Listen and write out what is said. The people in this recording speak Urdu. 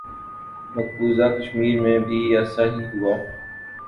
مقبوضہ کشمیر میں بھی ایسا ہی ہوا۔